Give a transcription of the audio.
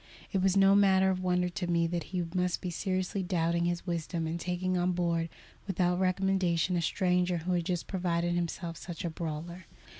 It was no matter of wonder to me that he must be seriously doubting his wisdom in taking on board without recommendation a stranger who had just proved himself such a brawler.